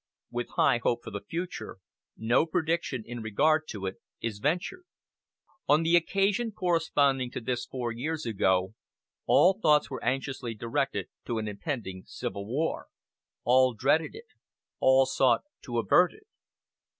With high hope for the future, no prediction in regard to it is ventured. "On the occasion corresponding to this four years ago, all thoughts were anxiously directed to an impending civil war. All dreaded it all sought to avert it.